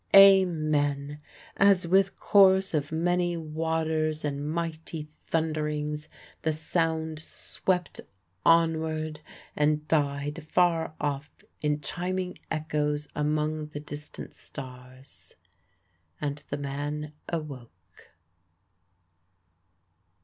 Amen! as with chorus of many waters and mighty thunderings the sound swept onward, and died far off in chiming echoes among the distant stars, and the man awoke.